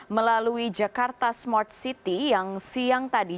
melalui jakarta smart city yang siang tadi